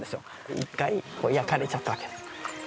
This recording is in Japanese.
一回、焼かれちゃったわけです。